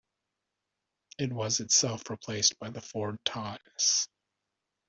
It was itself replaced by the Ford Taunus.